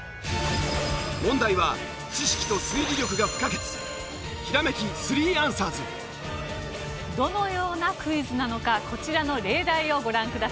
問題は知識と推理力が不可欠どのようなクイズなのかこちらの例題をご覧ください。